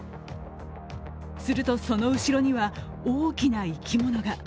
すると、その後ろには大きな生き物が。